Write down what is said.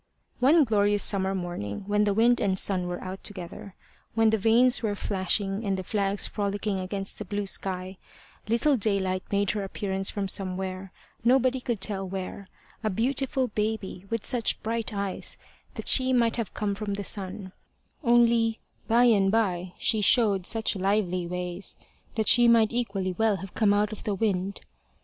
One glorious summer morning, when the wind and sun were out together, when the vanes were flashing and the flags frolicking against the blue sky, little Daylight made her appearance from somewhere nobody could tell where a beautiful baby, with such bright eyes that she might have come from the sun, only by and by she showed such lively ways that she might equally well have come out of the wind.